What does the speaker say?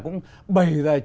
cũng bày ra